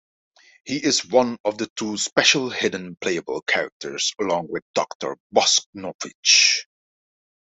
He is one of the two special hidden playable characters, along with Doctor Boskonovitch.